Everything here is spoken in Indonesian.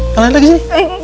kalian lagi sini